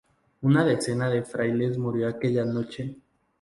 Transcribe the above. Una decena de frailes murió aquella noche.